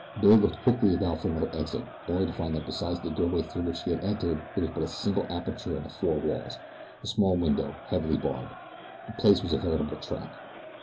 Billy looked quickly about for another exit, only to find that besides the doorway through which he had entered there was but a single aperture in the four walls a small window, heavily barred. The place was a veritable trap.